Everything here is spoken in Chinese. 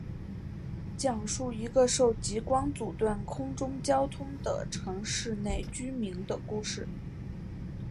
讲述一个受极光阻断空中交通的城市内居民的故事。